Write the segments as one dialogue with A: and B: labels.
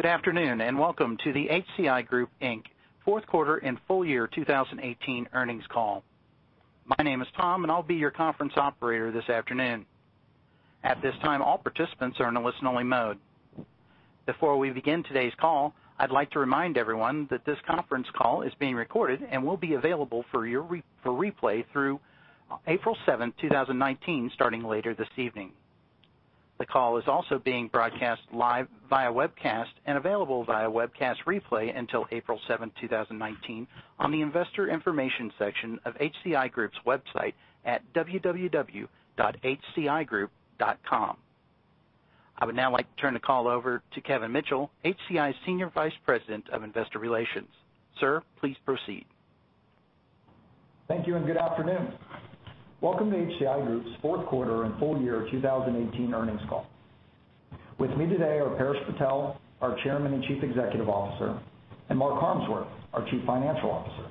A: Good afternoon, welcome to the HCI Group Inc. fourth quarter and full year 2018 earnings call. My name is Tom, I'll be your conference operator this afternoon. At this time, all participants are in a listen-only mode. Before we begin today's call, I'd like to remind everyone that this conference call is being recorded and will be available for replay through April 7th, 2019, starting later this evening. The call is also being broadcast live via webcast and available via webcast replay until April 7th, 2019, on the Investor Information section of HCI Group's website at www.hcigroup.com. I would now like to turn the call over to Kevin Mitchell, HCI's Senior Vice President of Investor Relations. Sir, please proceed.
B: Thank you and good afternoon. Welcome to HCI Group's fourth quarter and full year 2018 earnings call. With me today are Paresh Patel, our Chairman and Chief Executive Officer, and Mark Harmsworth, our Chief Financial Officer.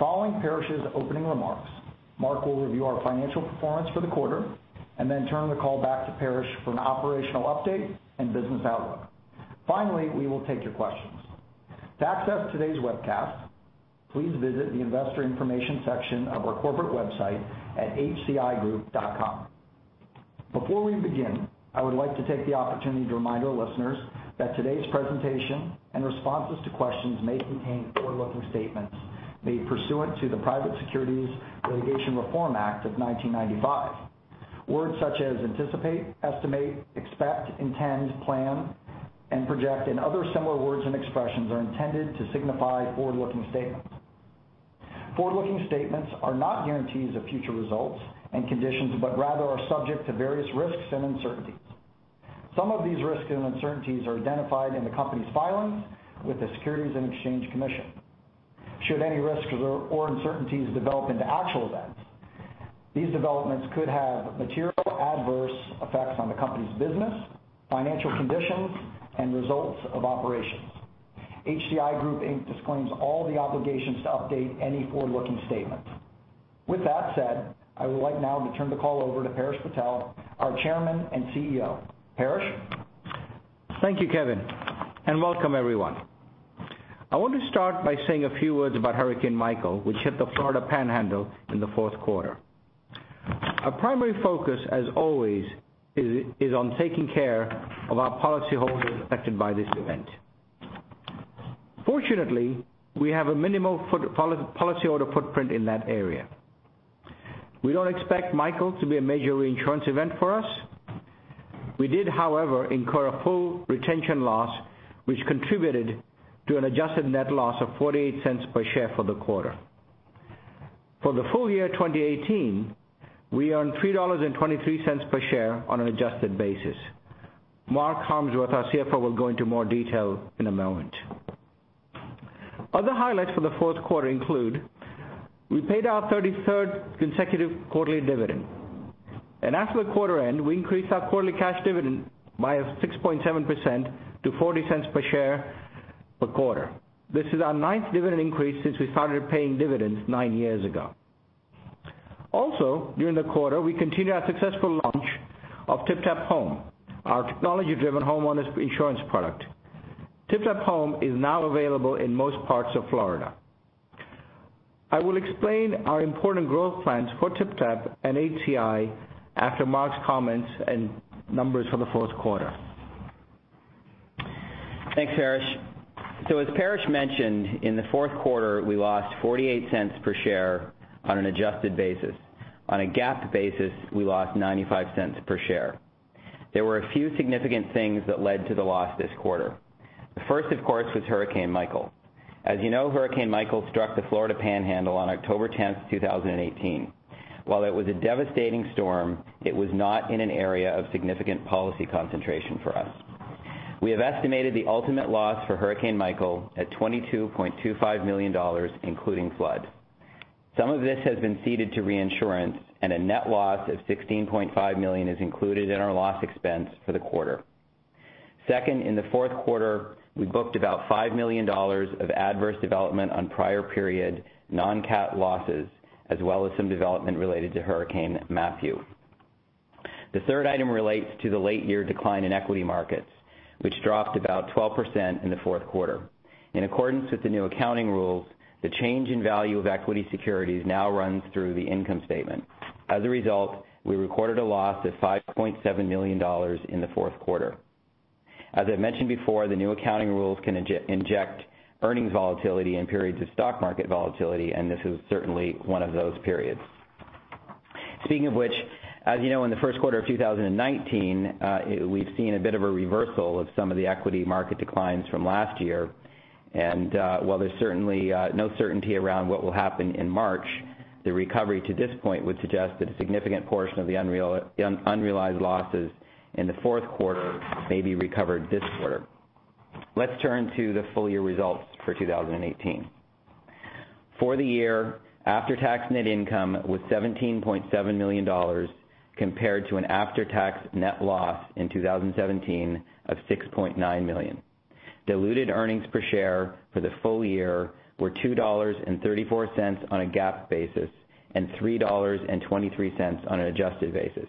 B: Following Paresh's opening remarks, Mark will review our financial performance for the quarter, and then turn the call back to Paresh for an operational update and business outlook. Finally, we will take your questions. To access today's webcast, please visit the Investor Information section of our corporate website at hcigroup.com. Before we begin, I would like to take the opportunity to remind our listeners that today's presentation and responses to questions may contain forward-looking statements made pursuant to the Private Securities Litigation Reform Act of 1995. Words such as anticipate, estimate, expect, intend, plan, and project, and other similar words and expressions are intended to signify forward-looking statements. Forward-looking statements are not guarantees of future results and conditions, but rather are subject to various risks and uncertainties. Some of these risks and uncertainties are identified in the company's filings with the Securities and Exchange Commission. Should any risks or uncertainties develop into actual events, these developments could have material adverse effects on the company's business, financial conditions, and results of operations. HCI Group Inc. disclaims all the obligations to update any forward-looking statements. With that said, I would like now to turn the call over to Paresh Patel, our Chairman and CEO. Paresh?
C: Thank you, Kevin, and welcome everyone. I want to start by saying a few words about Hurricane Michael, which hit the Florida Panhandle in the fourth quarter. Our primary focus, as always, is on taking care of our policyholders affected by this event. Fortunately, we have a minimal policyholder footprint in that area. We don't expect Michael to be a major insurance event for us. We did, however, incur a full retention loss, which contributed to an adjusted net loss of $0.48 per share for the quarter. For the full year 2018, we earned $3.23 per share on an adjusted basis. Mark Harmsworth, our CFO, will go into more detail in a moment. Other highlights for the fourth quarter include we paid our 33rd consecutive quarterly dividend. At the quarter end, we increased our quarterly cash dividend by 6.7% to $0.40 per share per quarter. This is our ninth dividend increase since we started paying dividends nine years ago. Also, during the quarter, we continued our successful launch of TypTap Home, our technology-driven home insurance product. TypTap Home is now available in most parts of Florida. I will explain our important growth plans for TypTap and HCI after Mark's comments and numbers for the fourth quarter.
D: Thanks, Paresh. As Paresh mentioned, in the fourth quarter, we lost $0.48 per share on an adjusted basis. On a GAAP basis, we lost $0.95 per share. There were a few significant things that led to the loss this quarter. The first, of course, was Hurricane Michael. As you know, Hurricane Michael struck the Florida Panhandle on October 10th, 2018. While it was a devastating storm, it was not in an area of significant policy concentration for us. We have estimated the ultimate loss for Hurricane Michael at $22.25 million, including flood. Some of this has been ceded to reinsurance, and a net loss of $16.5 million is included in our loss expense for the quarter. Second, in the fourth quarter, we booked about $5 million of adverse development on prior period non-cat losses, as well as some development related to Hurricane Matthew. The third item relates to the late year decline in equity markets, which dropped about 12% in the fourth quarter. In accordance with the new accounting rules, the change in value of equity securities now runs through the income statement. We recorded a loss of $5.7 million in the fourth quarter. As I've mentioned before, the new accounting rules can inject earnings volatility in periods of stock market volatility, and this is certainly one of those periods. Speaking of which, as you know, in the first quarter of 2019, we've seen a bit of a reversal of some of the equity market declines from last year. While there's certainly no certainty around what will happen in March, the recovery to this point would suggest that a significant portion of the unrealized losses in the fourth quarter may be recovered this quarter. Let's turn to the full year results for 2018. For the year, after-tax net income was $17.7 million, compared to an after-tax net loss in 2017 of $6.9 million. Diluted earnings per share for the full year were $2.34 on a GAAP basis and $3.23 on an adjusted basis.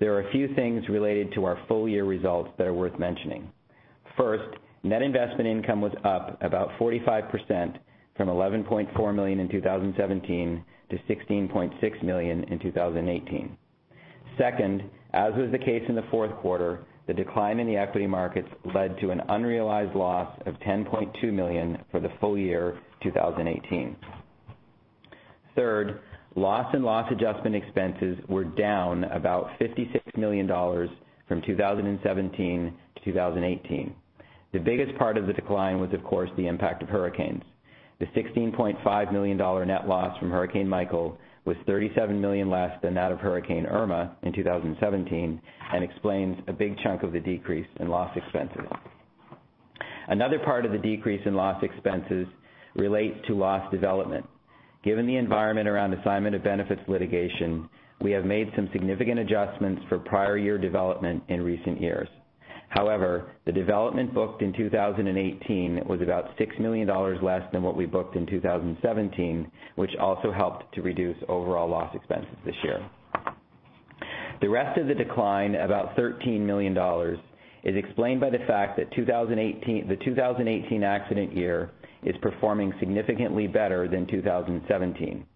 D: There are a few things related to our full year results that are worth mentioning. First, net investment income was up about 45% from $11.4 million in 2017 to $16.6 million in 2018. Second, as was the case in the fourth quarter, the decline in the equity markets led to an unrealized loss of $10.2 million for the full year 2018. Third, loss and loss adjustment expenses were down about $56 million from 2017 to 2018. The biggest part of the decline was, of course, the impact of hurricanes. The $16.5 million net loss from Hurricane Michael was $37 million less than that of Hurricane Irma in 2017, and explains a big chunk of the decrease in loss expenses. Another part of the decrease in loss expenses relates to loss development. Given the environment around assignment of benefits litigation, we have made some significant adjustments for prior year development in recent years. However, the development booked in 2018 was about $6 million less than what we booked in 2017, which also helped to reduce overall loss expenses this year. The rest of the decline, about $13 million, is explained by the fact that the 2018 accident year is performing significantly better than 2017.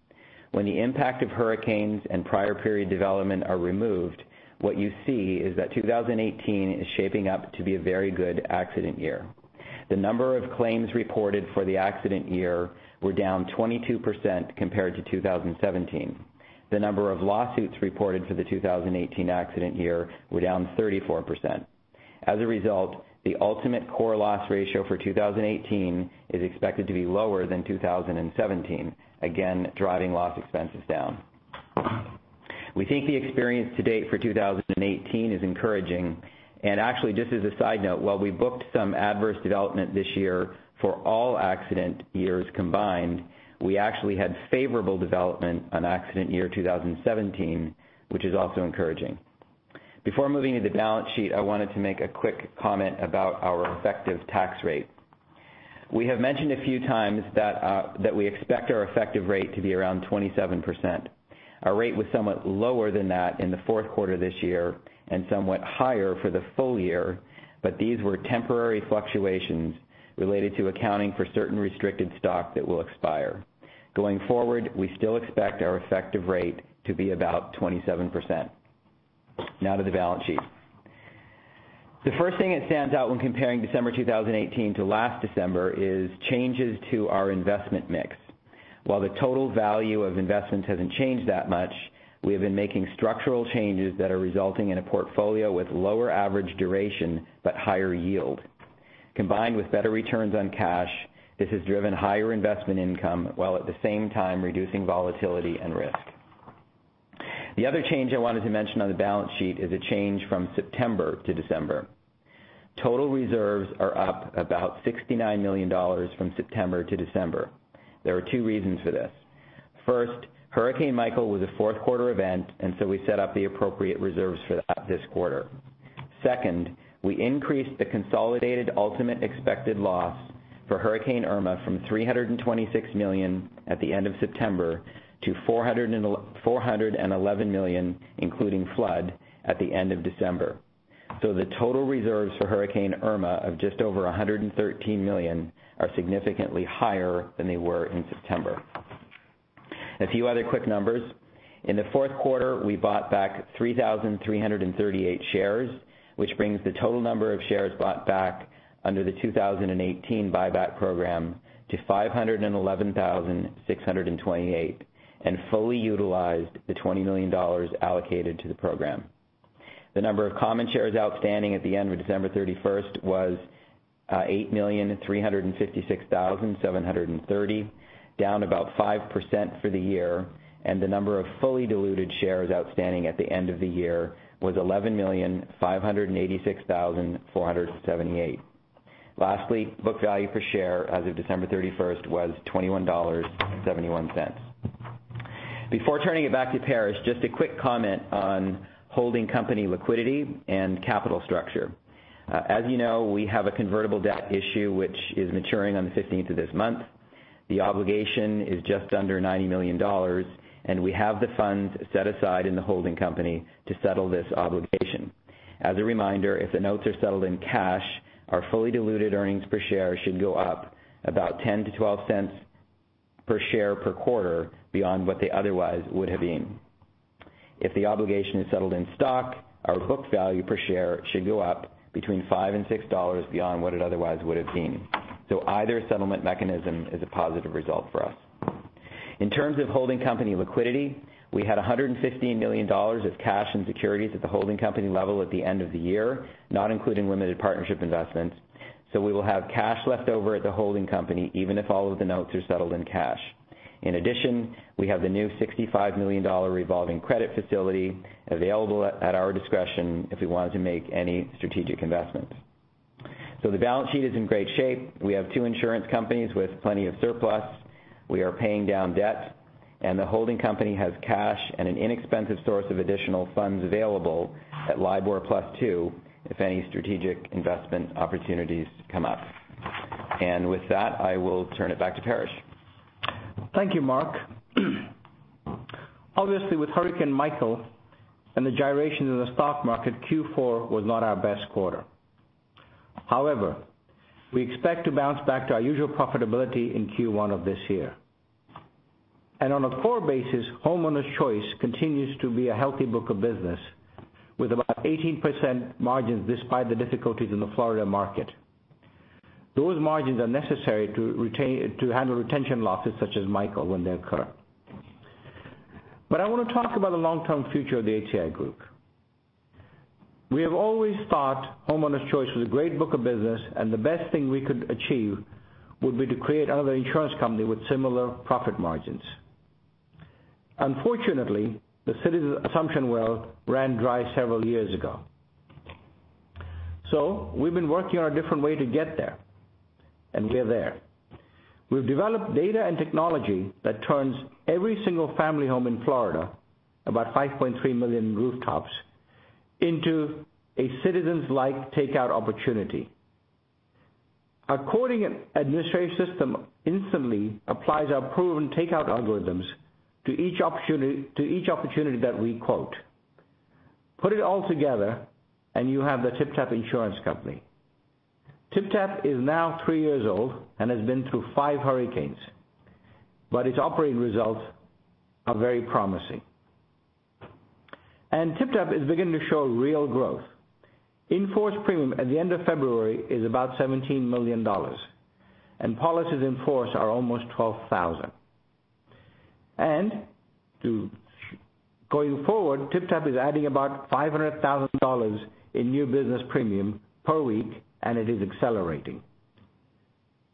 D: When the impact of hurricanes and prior period development are removed, what you see is that 2018 is shaping up to be a very good accident year. The number of claims reported for the accident year were down 22% compared to 2017. The number of lawsuits reported for the 2018 accident year were down 34%. As a result, the ultimate core loss ratio for 2018 is expected to be lower than 2017, again, driving loss expenses down. We think the experience to date for 2018 is encouraging, and actually just as a side note, while we booked some adverse development this year for all accident years combined, we actually had favorable development on accident year 2017, which is also encouraging. Before moving to the balance sheet, I wanted to make a quick comment about our effective tax rate. We have mentioned a few times that we expect our effective rate to be around 27%. Our rate was somewhat lower than that in the fourth quarter this year, and somewhat higher for the full year, but these were temporary fluctuations related to accounting for certain restricted stock that will expire. Going forward, we still expect our effective rate to be about 27%. Now to the balance sheet. The first thing that stands out when comparing December 2018 to last December is changes to our investment mix. While the total value of investments hasn't changed that much, we have been making structural changes that are resulting in a portfolio with lower average duration but higher yield. Combined with better returns on cash, this has driven higher investment income, while at the same time reducing volatility and risk. The other change I wanted to mention on the balance sheet is a change from September to December. Total reserves are up about $69 million from September to December. There are two reasons for this. First, Hurricane Michael was a fourth quarter event, we set up the appropriate reserves for that this quarter. Second, we increased the consolidated ultimate expected loss for Hurricane Irma from $326 million at the end of September to $411 million, including flood, at the end of December. The total reserves for Hurricane Irma of just over $113 million are significantly higher than they were in September. A few other quick numbers. In the fourth quarter, we bought back 3,338 shares, which brings the total number of shares bought back under the 2018 buyback program to 511,628, and fully utilized the $20 million allocated to the program. The number of common shares outstanding at the end of December 31st was 8,356,730, down about 5% for the year, and the number of fully diluted shares outstanding at the end of the year was 11,586,478. Lastly, book value per share as of December 31st was $21.71. Before turning it back to Paresh, just a quick comment on holding company liquidity and capital structure. As you know, we have a convertible debt issue which is maturing on the 15th of this month. The obligation is just under $90 million, and we have the funds set aside in the holding company to settle this obligation. As a reminder, if the notes are settled in cash, our fully diluted earnings per share should go up about $0.10 to $0.12 per share per quarter beyond what they otherwise would have been. If the obligation is settled in stock, our book value per share should go up between $5 and $6 beyond what it otherwise would have been. Either settlement mechanism is a positive result for us. In terms of holding company liquidity, we had $115 million of cash and securities at the holding company level at the end of the year, not including limited partnership investments, we will have cash left over at the holding company even if all of the notes are settled in cash. In addition, we have the new $65 million revolving credit facility available at our discretion if we wanted to make any strategic investments. The balance sheet is in great shape. We have two insurance companies with plenty of surplus. We are paying down debt, the holding company has cash and an inexpensive source of additional funds available at LIBOR plus two if any strategic investment opportunities come up. With that, I will turn it back to Paresh.
C: Thank you, Mark. Obviously, with Hurricane Michael and the gyrations in the stock market, Q4 was not our best quarter. However, we expect to bounce back to our usual profitability in Q1 of this year. On a core basis, Homeowners Choice continues to be a healthy book of business, with about 18% margins despite the difficulties in the Florida market. Those margins are necessary to handle retention losses such as Michael when they occur. I want to talk about the long-term future of the HCI Group. We have always thought Homeowners Choice was a great book of business, and the best thing we could achieve would be to create another insurance company with similar profit margins. Unfortunately, the Citizens assumption well ran dry several years ago. We've been working on a different way to get there, and we're there. We've developed data and technology that turns every single family home in Florida, about 5.3 million rooftops, into a Citizens-like takeout opportunity. Our quoting and administrative system instantly applies our proven takeout algorithms to each opportunity that we quote. Put it all together, and you have the TypTap Insurance company. TypTap is now three years old and has been through five hurricanes, but its operating results are very promising. TypTap is beginning to show real growth. In-force premium at the end of February is about $17 million, and policies in force are almost 12,000. Going forward, TypTap is adding about $500,000 in new business premium per week, and it is accelerating.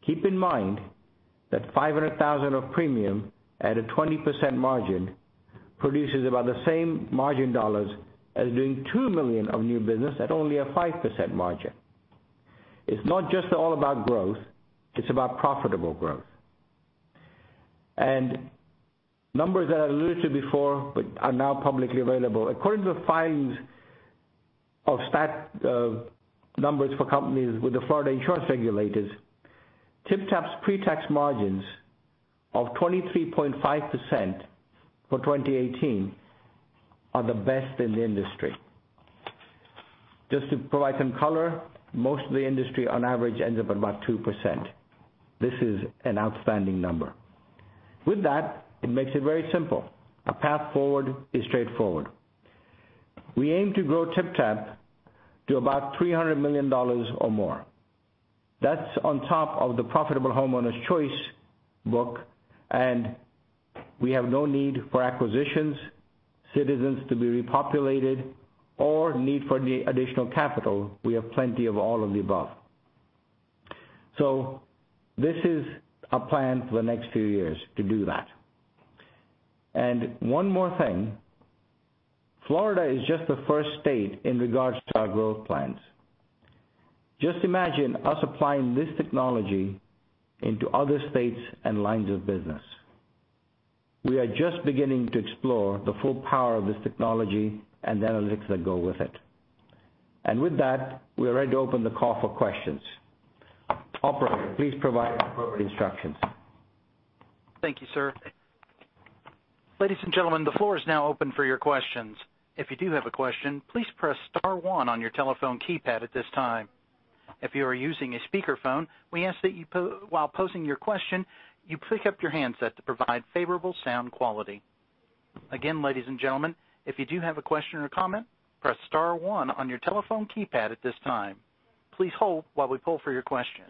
C: Keep in mind that 500,000 of premium at a 20% margin produces about the same margin dollars as doing $2 million of new business at only a 5% margin. It's not just all about growth, it's about profitable growth. Numbers that I alluded to before but are now publicly available. According to the filings of stat numbers for companies with the Florida insurance regulators, TypTap's pretax margins of 23.5% for 2018 are the best in the industry. Just to provide some color, most of the industry on average ends up at about 2%. With that, it makes it very simple. Our path forward is straightforward. We aim to grow TypTap to about $300 million or more. That's on top of the profitable Homeowners Choice book, and we have no need for acquisitions, Citizens to be repopulated, or need for the additional capital. We have plenty of all of the above. This is a plan for the next few years to do that. One more thing, Florida is just the first state in regards to our growth plans. Just imagine us applying this technology into other states and lines of business. We are just beginning to explore the full power of this technology and the analytics that go with it. With that, we are ready to open the call for questions. Operator, please provide the appropriate instructions.
A: Thank you, sir. Ladies and gentlemen, the floor is now open for your questions. If you do have a question, please press star one on your telephone keypad at this time. If you are using a speakerphone, we ask that while posing your question, you pick up your handset to provide favorable sound quality. Again, ladies and gentlemen, if you do have a question or comment, press star one on your telephone keypad at this time. Please hold while we poll for your question.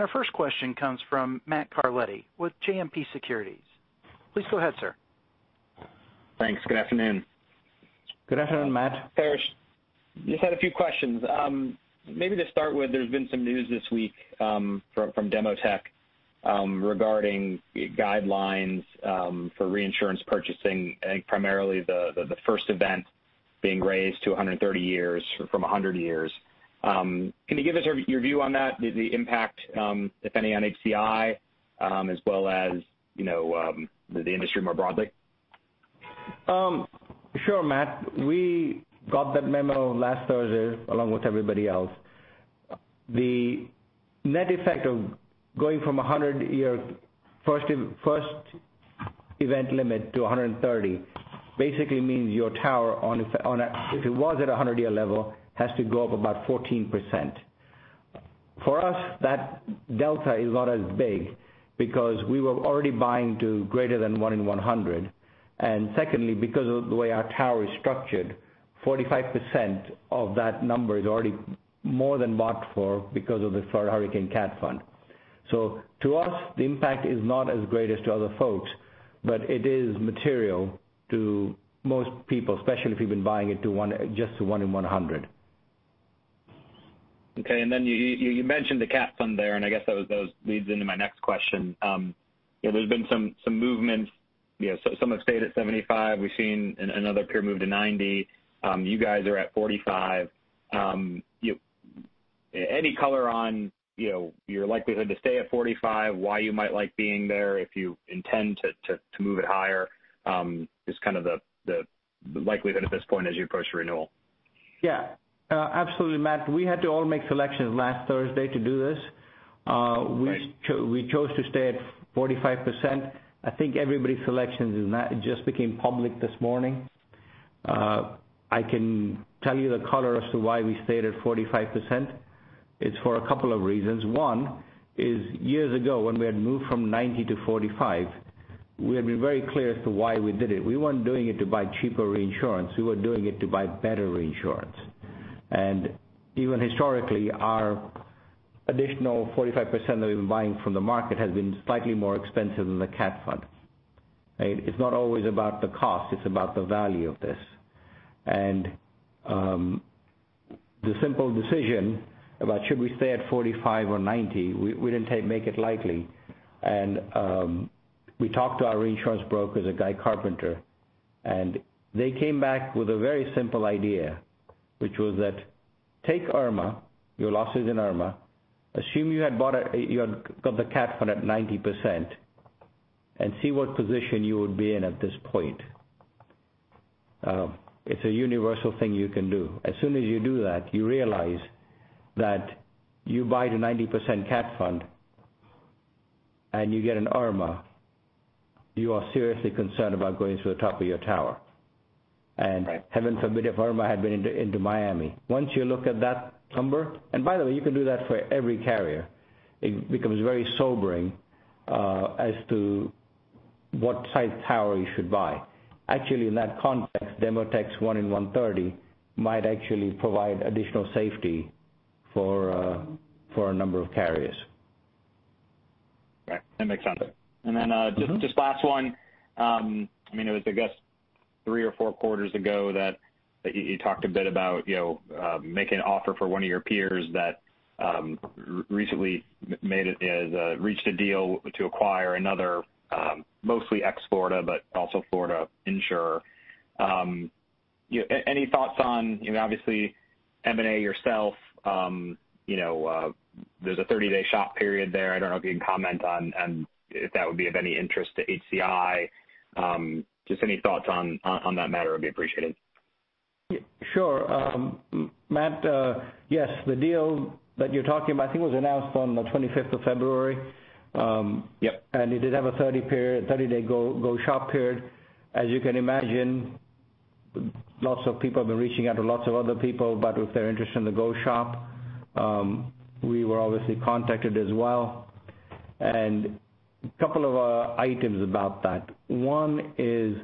A: Our first question comes from Matthew Carletti with JMP Securities. Please go ahead, sir.
E: Thanks. Good afternoon.
C: Good afternoon, Matt.
E: Paresh. Just had a few questions. Maybe to start with, there's been some news this week from Demotech regarding guidelines for reinsurance purchasing, I think primarily the first event being raised to 130 years from 100 years. Can you give us your view on that, the impact, if any, on HCI, as well as the industry more broadly?
C: Sure, Matt. We got that memo last Thursday along with everybody else. The net effect of going from 100 year first event limit to 130 basically means your tower, if it was at 100-year level, has to go up about 14%. For us, that delta is not as big because we were already buying to greater than one in 100. Secondly, because of the way our tower is structured, 45% of that number is already more than marked for because of the Florida Hurricane Catastrophe Fund. To us, the impact is not as great as to other folks, but it is material to most people, especially if you've been buying it just to one in 100.
E: Okay, you mentioned the Cat Fund there, and I guess that leads into my next question. There's been some movements. Some have stayed at 75%. We've seen another peer move to 90%. You guys are at 45%. Any color on your likelihood to stay at 45%, why you might like being there, if you intend to move it higher, just kind of the likelihood at this point as you approach renewal?
C: Yeah. Absolutely, Matt. We had to all make selections last Thursday to do this.
E: Right.
C: We chose to stay at 45%. I think everybody's selections in that just became public this morning. I can tell you the color as to why we stayed at 45%. It's for a couple of reasons. One is years ago, when we had moved from 90% to 45%, we had been very clear as to why we did it. We weren't doing it to buy cheaper reinsurance. We were doing it to buy better reinsurance. Even historically, our additional 45% that we've been buying from the market has been slightly more expensive than the Cat Fund. It's not always about the cost, it's about the value of this. The simple decision about should we stay at 45% or 90%, we didn't make it lightly. We talked to our reinsurance brokers at Guy Carpenter, and they came back with a very simple idea, which was that take Irma, your losses in Irma, assume you had got the Cat Fund at 90%, see what position you would be in at this point. It's a universal thing you can do. As soon as you do that, you realize that you buy the 90% Cat Fund and you get an Irma, you are seriously concerned about going to the top of your tower.
E: Right.
C: Heaven forbid, if Hurricane Irma had been into Miami. Once you look at that number, and by the way, you can do that for every carrier, it becomes very sobering as to what size tower you should buy. Actually, in that context, Demotech's one in 130 might actually provide additional safety for a number of carriers.
E: Right. That makes sense. Then just last one. I mean, it was, I guess three or four quarters ago that you talked a bit about making an offer for one of your peers that recently reached a deal to acquire another mostly ex-Florida, but also Florida insurer. Any thoughts on, obviously M&A yourself? There's a 30-day shop period there. I don't know if you can comment on if that would be of any interest to HCI. Just any thoughts on that matter would be appreciated.
C: Sure. Matt, yes, the deal that you're talking about, I think was announced on the 25th of February.
E: Yep.
C: It did have a 30-day go shop period. As you can imagine, lots of people have been reaching out to lots of other people about if they're interested in the go shop. We were obviously contacted as well. A couple of items about that. One is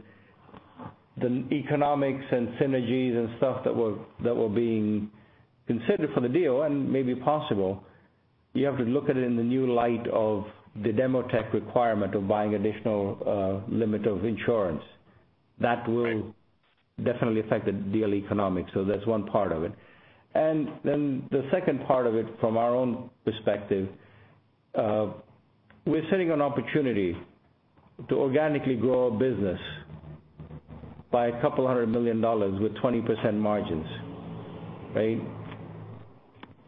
C: the economics and synergies and stuff that were being considered for the deal and maybe possible. You have to look at it in the new light of the Demotech requirement of buying additional limit of insurance. That will-
E: Right
C: definitely affect the deal economics. There's one part of it. The second part of it, from our own perspective, we're sitting on opportunity to organically grow our business by a couple of hundred million dollars with 20% margins, right?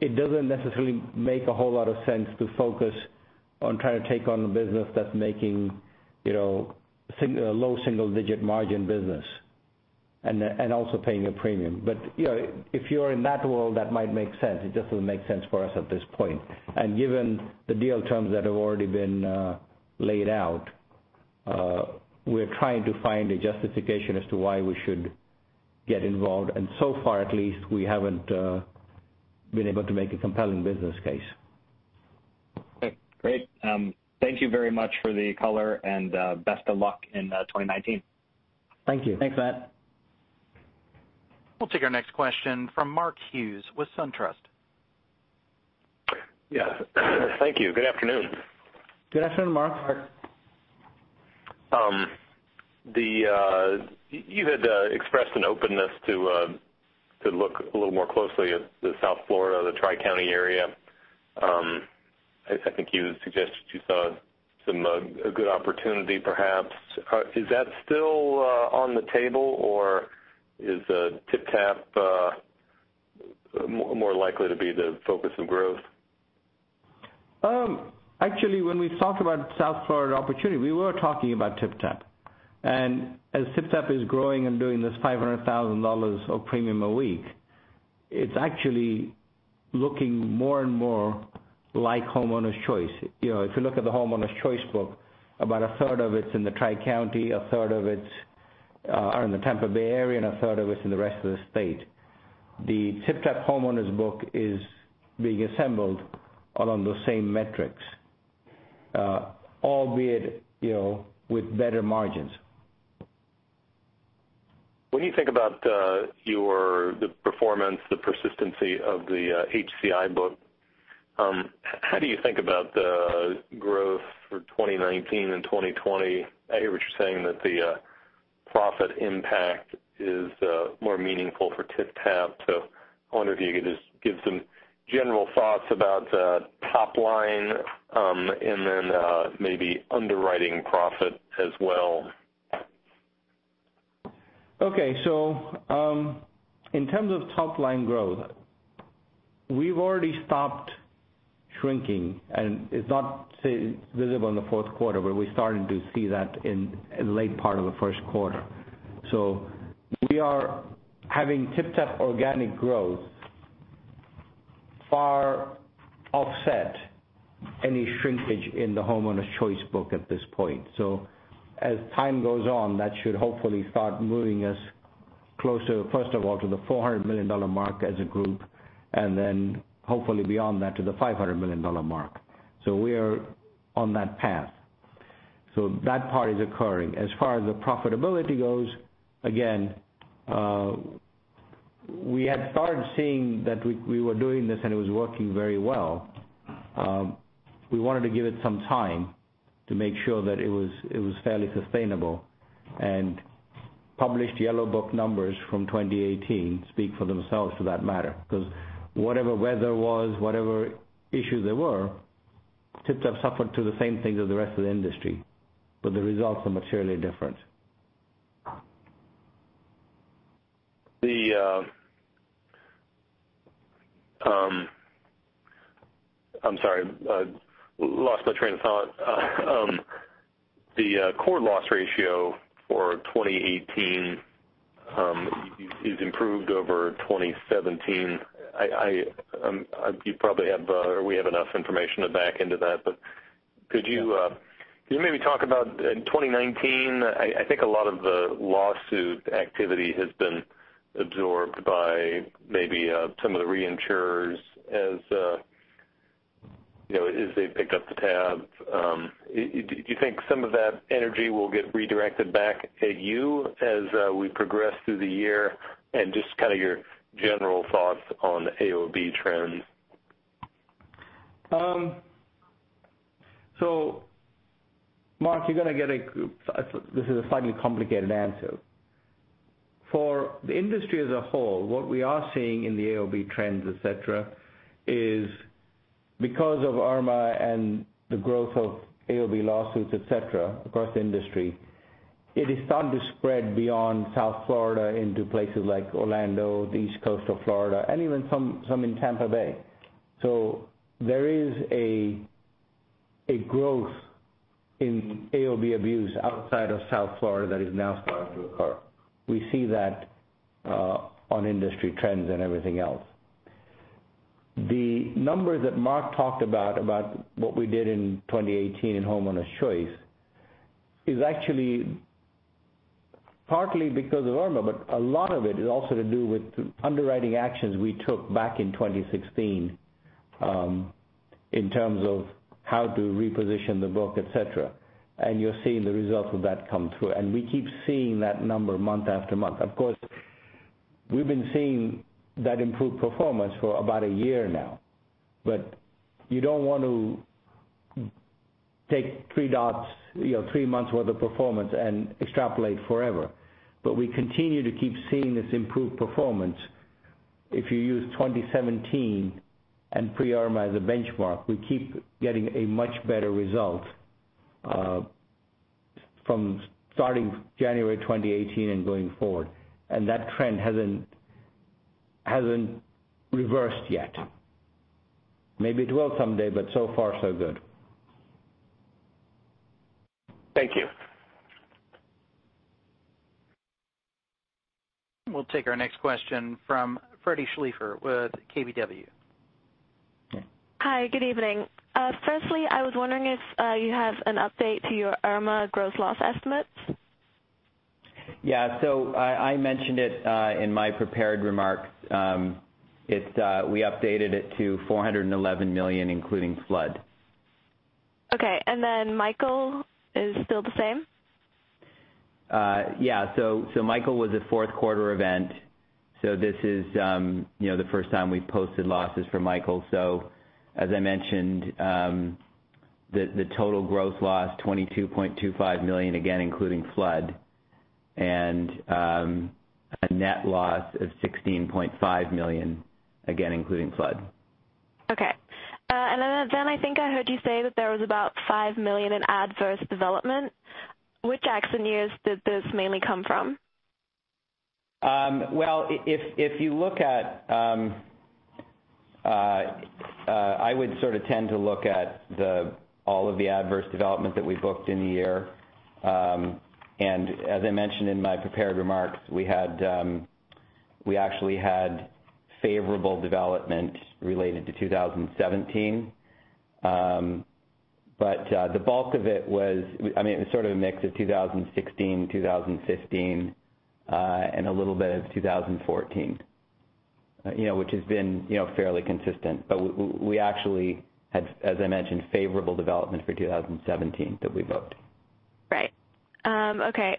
C: It doesn't necessarily make a whole lot of sense to focus on trying to take on the business that's making low single-digit margin business and also paying a premium. If you're in that world, that might make sense. It just doesn't make sense for us at this point. Given the deal terms that have already been laid out, we're trying to find a justification as to why we should get involved. So far at least, we haven't been able to make a compelling business case.
E: Okay, great. Thank you very much for the color and best of luck in 2019.
C: Thank you.
B: Thanks, Matt.
A: We'll take our next question from Mark Hughes with SunTrust.
F: Yeah. Thank you. Good afternoon.
C: Good afternoon, Mark.
B: Mark.
F: You had expressed an openness to look a little more closely at the South Florida, the Tri-County area. I think you had suggested you saw a good opportunity perhaps. Is that still on the table or is TypTap more likely to be the focus of growth?
C: Actually, when we talked about South Florida opportunity, we were talking about TypTap. As TypTap is growing and doing this $500,000 of premium a week, it's actually looking more and more like Homeowners Choice. If you look at the Homeowners Choice book, about a third of it's in the Tri-County, a third of it are in the Tampa Bay area, and a third of it's in the rest of the state. The TypTap homeowners book is being assembled along those same metrics, albeit with better margins.
F: When you think about the performance, the persistency of the HCI book, how do you think about the growth for 2019 and 2020? I hear what you're saying, that the profit impact is more meaningful for TypTap. I wonder if you could just give some general thoughts about top line, and then maybe underwriting profit as well.
C: Okay. In terms of top line growth, we've already stopped shrinking, and it's not visible in the fourth quarter, but we're starting to see that in the late part of the first quarter. We are having TypTap organic growth far offset any shrinkage in the Homeowners Choice book at this point. As time goes on, that should hopefully start moving us closer, first of all, to the $400 million mark as a group, and then hopefully beyond that to the $500 million mark. We are on that path. That part is occurring. As far as the profitability goes, again, we had started seeing that we were doing this and it was working very well. We wanted to give it some time to make sure that it was fairly sustainable and published Yellow Book numbers from 2018 speak for themselves for that matter. Whatever weather was, whatever issues there were, TypTap suffered through the same thing as the rest of the industry, but the results are materially different.
F: I'm sorry. I lost my train of thought. The core loss ratio for 2018 has improved over 2017. We have enough information to back into that. Could you maybe talk about 2019? I think a lot of the lawsuit activity has been absorbed by maybe some of the reinsurers as they picked up the tab. Do you think some of that energy will get redirected back at you as we progress through the year? Just kind of your general thoughts on AOB trends.
C: Mark, this is a slightly complicated answer. For the industry as a whole, what we are seeing in the AOB trends, et cetera, is because of Irma and the growth of AOB lawsuits, et cetera, across the industry, it has started to spread beyond South Florida into places like Orlando, the East Coast of Florida, and even some in Tampa Bay. There is a growth in AOB abuse outside of South Florida that is now starting to occur. We see that on industry trends and everything else. The number that Mark talked about what we did in 2018 in Homeowners Choice, is actually partly because of Irma. A lot of it is also to do with underwriting actions we took back in 2016, in terms of how to reposition the book, et cetera. You're seeing the results of that come through. We keep seeing that number month after month. Of course, we've been seeing that improved performance for about a year now. You don't want to take three dots, three months' worth of performance, and extrapolate forever. We continue to keep seeing this improved performance. If you use 2017 and pre-Irma as a benchmark, we keep getting a much better result from starting January 2018 and going forward. That trend hasn't reversed yet. Maybe it will someday. So far so good.
F: Thank you.
A: We'll take our next question from Freddie Sleiffer with KBW.
G: Hi, good evening. Firstly, I was wondering if you have an update to your Irma gross loss estimates.
D: Yeah. I mentioned it in my prepared remarks. We updated it to $411 million, including flood.
G: Okay. Michael is still the same?
D: Yeah. Michael was a fourth quarter event. This is the first time we've posted losses for Michael. As I mentioned, the total gross loss, $22.25 million, again including flood, and a net loss of $16.5 million, again including flood.
G: Okay. I think I heard you say that there was about $5 million in adverse development. Which accident years did this mainly come from?
D: Well, I would sort of tend to look at all of the adverse development that we booked in the year. As I mentioned in my prepared remarks, we actually had favorable development related to 2017. The bulk of it was, it was sort of a mix of 2016, 2015, and a little bit of 2014, which has been fairly consistent. We actually had, as I mentioned, favorable development for 2017 that we booked.
G: Right. Okay.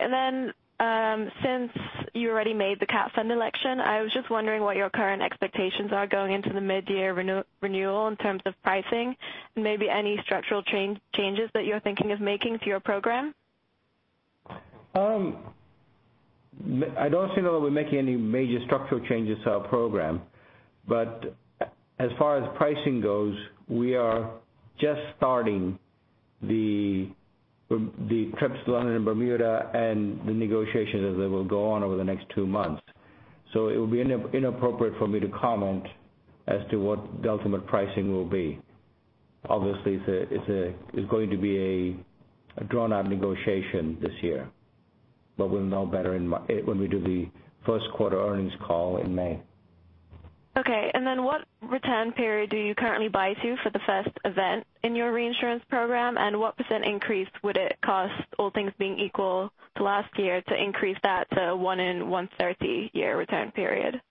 G: Since you already made the Catastrophe Fund election, I was just wondering what your current expectations are going into the mid-year renewal in terms of pricing, and maybe any structural changes that you're thinking of making to your program?
C: I don't think that we'll be making any major structural changes to our program, but as far as pricing goes, we are just starting the trips to London and Bermuda and the negotiations as they will go on over the next two months. It would be inappropriate for me to comment as to what the ultimate pricing will be. Obviously, it's going to be a drawn-out negotiation this year, but we'll know better when we do the first quarter earnings call in May.
G: Okay. What return period do you currently buy to for the first event in your reinsurance program? What % increase would it cost, all things being equal to last year, to increase that to 1 in 130 year return period?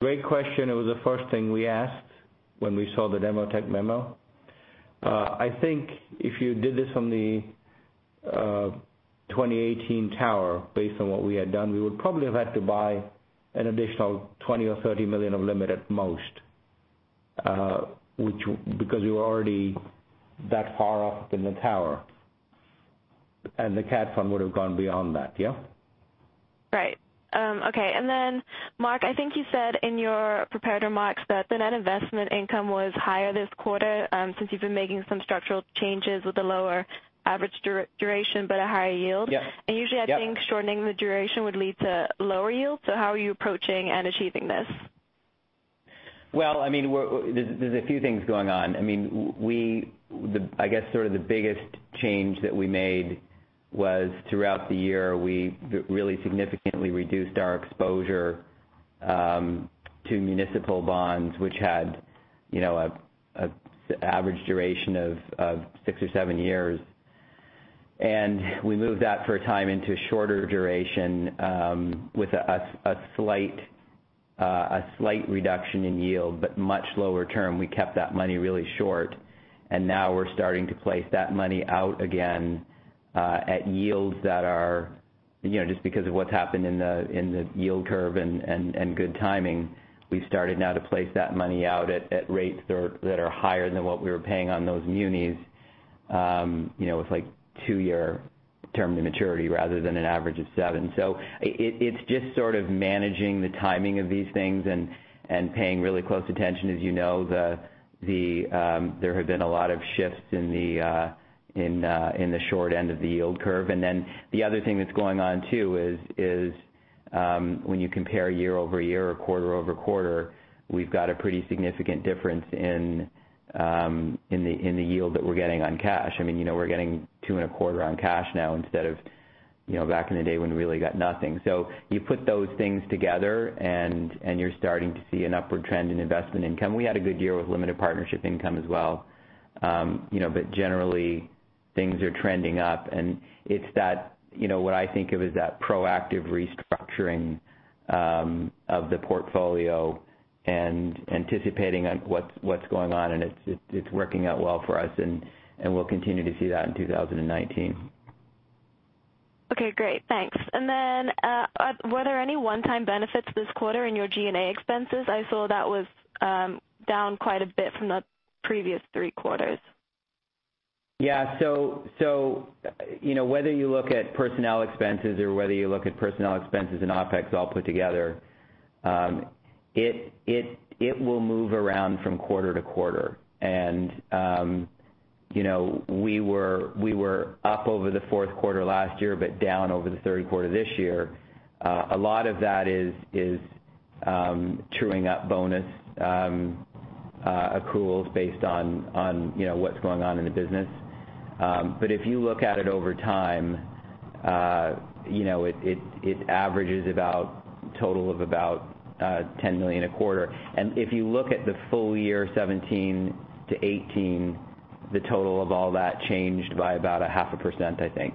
C: Great question. It was the first thing we asked when we saw the Demotech memo. I think if you did this from the 2018 tower, based on what we had done, we would probably have had to buy an additional $20 million or $30 million of limit at most, because we were already that far up in the tower. The Cat fund would have gone beyond that, yeah?
G: Right. Okay. Mark, I think you said in your prepared remarks that the net investment income was higher this quarter, since you've been making some structural changes with the lower average duration but a higher yield.
D: Yeah.
G: Usually, I think shortening the duration would lead to lower yields. How are you approaching and achieving this?
D: Well, there's a few things going on. I guess sort of the biggest change that we made was throughout the year, we really significantly reduced our exposure to municipal bonds, which had an average duration of six or seven years. We moved that for a time into shorter duration, with a slight reduction in yield, but much lower term. We kept that money really short, and now we're starting to place that money out again at yields that are, just because of what's happened in the yield curve and good timing, we've started now to place that money out at rates that are higher than what we were paying on those munis, with like two-year term to maturity rather than an average of seven. It's just sort of managing the timing of these things and paying really close attention. As you know, there have been a lot of shifts in the short end of the yield curve. The other thing that's going on too is when you compare year-over-year or quarter-over-quarter, we've got a pretty significant difference in the yield that we're getting on cash. We're getting 2.25% on cash now instead of back in the day when we really got nothing. You put those things together and you're starting to see an upward trend in investment income. We had a good year with limited partnership income as well. Generally, things are trending up and it's what I think of as that proactive restructuring of the portfolio and anticipating on what's going on and it's working out well for us and we'll continue to see that in 2019.
G: Okay, great. Thanks. Were there any one-time benefits this quarter in your G&A expenses? I saw that was down quite a bit from the previous three quarters.
D: Yeah. Whether you look at personnel expenses or whether you look at personnel expenses and OpEx all put together, it will move around from quarter to quarter. We were up over the fourth quarter last year, but down over the third quarter this year. A lot of that is truing up bonus accruals based on what's going on in the business. If you look at it over time, it averages about a total of about $10 million a quarter. If you look at the full year 2017 to 2018, the total of all that changed by about 0.5%, I think.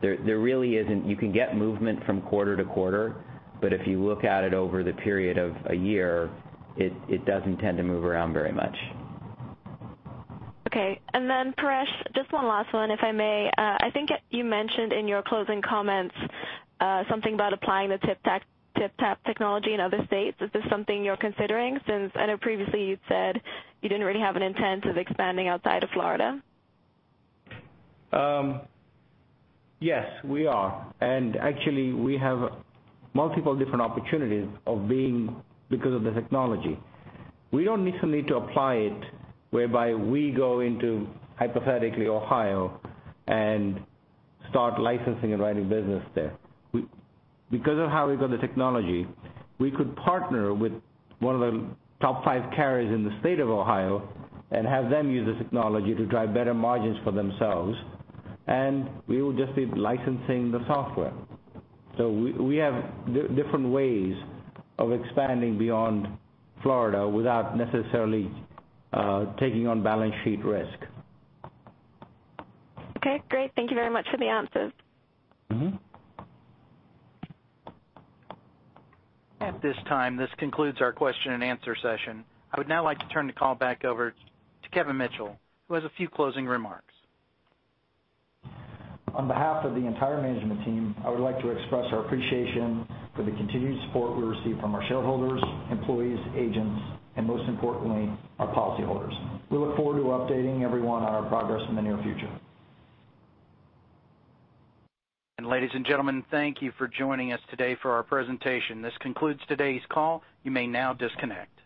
D: There really isn't. You can get movement from quarter to quarter, but if you look at it over the period of a year, it doesn't tend to move around very much.
G: Okay. Paresh, just one last one, if I may. I think you mentioned in your closing comments something about applying the TypTap technology in other states. Is this something you're considering? Since I know previously you'd said you didn't really have an intent of expanding outside of Florida.
C: Yes, we are. Actually, we have multiple different opportunities because of the technology. We don't necessarily need to apply it whereby we go into, hypothetically, Ohio and start licensing and writing business there. Because of how we've got the technology, we could partner with one of the top five carriers in the state of Ohio and have them use the technology to drive better margins for themselves, and we will just be licensing the software. We have different ways of expanding beyond Florida without necessarily taking on balance sheet risk.
G: Okay, great. Thank you very much for the answers.
A: At this time, this concludes our question and answer session. I would now like to turn the call back over to Kevin Mitchell, who has a few closing remarks.
B: On behalf of the entire management team, I would like to express our appreciation for the continued support we receive from our shareholders, employees, agents, and most importantly, our policyholders. We look forward to updating everyone on our progress in the near future.
A: Ladies and gentlemen, thank you for joining us today for our presentation. This concludes today's call. You may now disconnect.